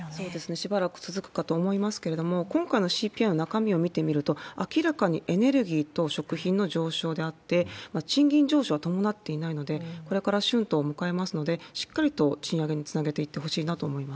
しばらく続くかと思いますけれども、今回のＣＰＩの中身を見てみると、明らかにエネルギーと食品の上昇であって、賃金上昇は伴っていないので、これから春闘を迎えますので、しっかりと賃上げにつなげていってしいなとおもいます。